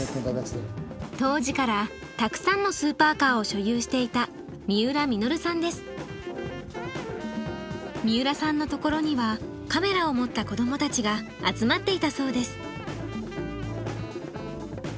当時からたくさんのスーパーカーを所有していた三浦さんのところにはカメラを持った子どもたちが集まっていたそうです。